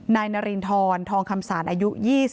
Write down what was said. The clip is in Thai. นายนารินทรทองคำสารอายุ๒๐